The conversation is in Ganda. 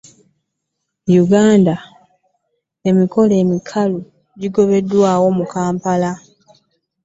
Uganda, emikolo emikulu gyabaddewo mu Kampala.